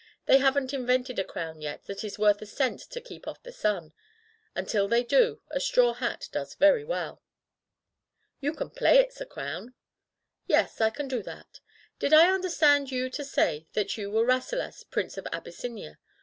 They haven't in vented a crown yet that is worth a cent to keep off the sun; and till they do, a straw hat does very well." *'You can play it's a crown." "Yes, I can do that. Did I understand you to say you were Rasselas, Prince of Abys sinia ?